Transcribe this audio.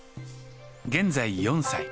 現在４歳。